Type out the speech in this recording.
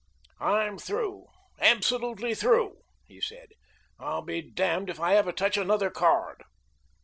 "I'm through, absolutely through," he said. "I'll be damned if I ever touch another card."